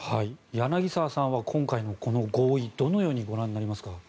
柳澤さんは今回のこの合意をどのようにご覧になりますか？